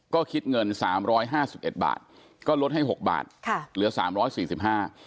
ก็คิดเงินสามร้อยห้าสิบเอ็ดบาทก็ลดให้หกบาทค่ะเหลือสามร้อยสี่สิบห้า